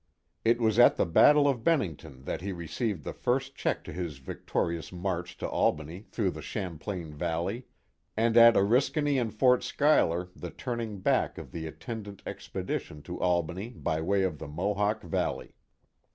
It was at the battle of Bennington that he received the first check to his victorious march to Albany through the Champlain Valley, and at Oriskany and Fort Schuyler, the turning back of the attend ant expedition to Albany by the way of the Mohawk Valley.